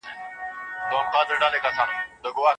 کله چې نظر ته درناوی وشي، شخړې نه ژورېږي.